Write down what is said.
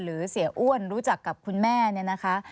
เสียอ้วนรู้จักกับคุณแม่เนี่ยนะคะ